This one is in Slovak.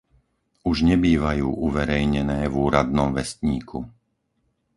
Už nebývajú uverejnené v Úradnom vestníku.